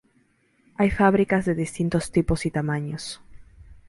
Hay fábricas de distintos tipos y tamaños.